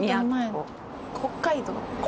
北海道！